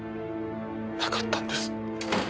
なかったんです。